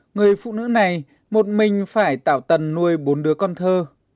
người phụ nữ này một mình phải tạo tần nuôi bốn đứa con thơ